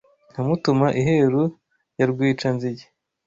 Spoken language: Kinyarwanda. Nkamutuma iheru ya Rwica-nzige